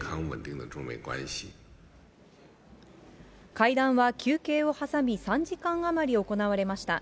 会談は休憩を挟み、３時間余り行われました。